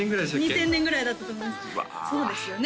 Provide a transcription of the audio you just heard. ２０００年ぐらいだったと思いますそうですよね